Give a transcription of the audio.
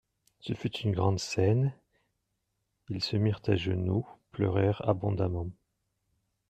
Ce fut une grande scène, ils se mirent à genoux, pleurèrent abondamment.